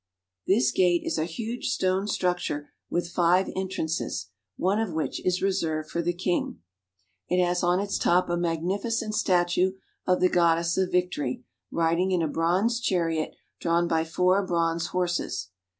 This gate is a huge stone structure with five entrances, one of which is reserved for the king. It has BERLIN. 209 on its top a magnificent statue of the Goddess of Victory riding in a bronze chariot drawn by four bronze horses.